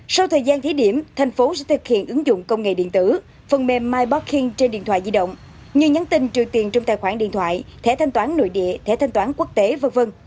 sau thời gian thí điểm thành phố sẽ thực hiện ứng dụng công nghệ điện tử phần mềm mipoking trên điện thoại di động như nhắn tin trừ tiền trong tài khoản điện thoại thẻ thanh toán nội địa thẻ thanh toán quốc tế v v